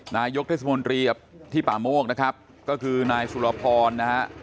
นายกเทศมนตรีที่ป่าโมกนะครับก็คือนายสุรพรนะฮะ